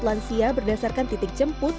lansia berdasarkan titik jemput